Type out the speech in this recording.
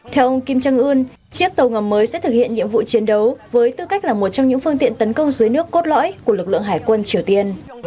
theo ông kim jong un chiếc tàu ngầm mới sẽ thực hiện nhiệm vụ chiến đấu với tư cách là một trong những phương tiện tấn công dưới nước cốt lõi của lực lượng hải quân triều tiên